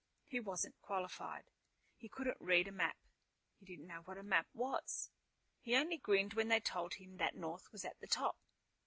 He wasn't qualified. He couldn't read a map. He didn't know what a map was. He only grinned when they told him that North was at the top.